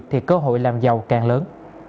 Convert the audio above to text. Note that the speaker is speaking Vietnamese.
thì cơ hội làm giàu càng lớn